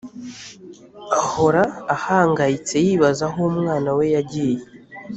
ahora ahangayitse yibaza aho umwana we yagiye